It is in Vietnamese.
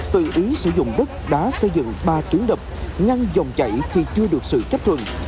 tự ý sử dụng đất đã xây dựng ba tuyến đập ngăn dòng chảy khi chưa được sự chấp thuận